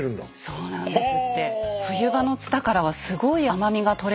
そうなんですよ。